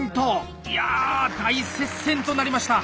いや大接戦となりました！